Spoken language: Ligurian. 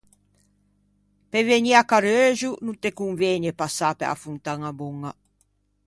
Pe vegnî à Carreuxo no te convëgne passâ pe-a Fontañaboña.